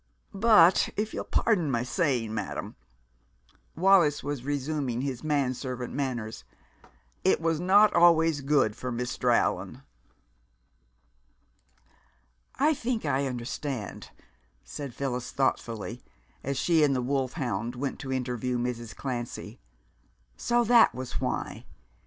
But if you'll pardon my saying so, madam" Wallis was resuming his man servant manners "it was not always good for Mr. Allan." "I think I understand," said Phyllis thoughtfully, as she and the wolfhound went to interview Mrs. Clancy. So that was why!